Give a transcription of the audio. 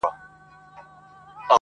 كومه يوه خپله كړم.